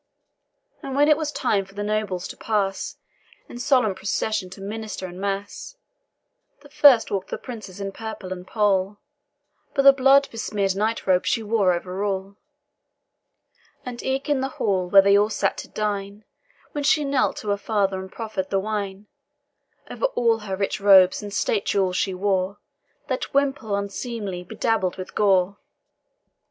And when it was time for the nobles to pass, In solemn procession to minster and mass, The first walk'd the Princess in purple and pall, But the blood besmear'd night robe she wore over all; And eke, in the hall, where they all sat at dine, When she knelt to her father and proffer'd the wine, Over all her rich robes and state jewels she wore That wimple unseemly bedabbled with gore.